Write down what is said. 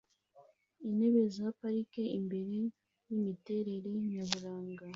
intebe za parike imbere y’imiterere nyaburanga